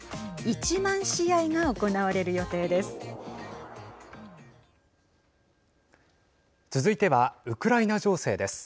１万試合が行われる予定です。